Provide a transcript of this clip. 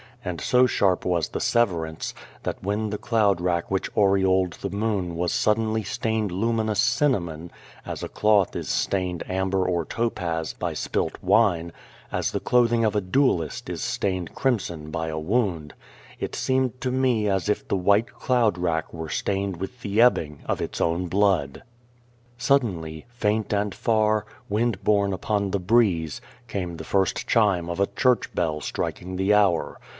And so sharp was the severance, that when the cloud rack which aureoled the moon was suddenly stained luminous cinnamon as a cloth is stained amber or topaz by spilt wine, as the clothing of a duellist is stained crimson by a wound it seemed to me as if the white cloud rack were stained with the ebbing of its own blood. Suddenly, faint and far, wind borne upon the breeze, came the first chime of a church bell striking the hour.